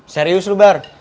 serius lu bar